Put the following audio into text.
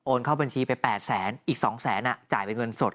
โอนเข้าบัญชีไป๘๐๐๐๐๐อีก๒๐๐๐๐๐อ่ะจ่ายเป็นเงินสด